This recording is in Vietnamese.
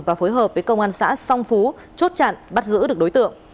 và phối hợp với công an xã song phú chốt chặn bắt giữ được đối tượng